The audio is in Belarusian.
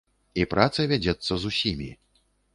І праца вядзецца з усімі.